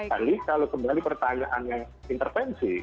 tapi kalau kembali pertanyaannya intervensi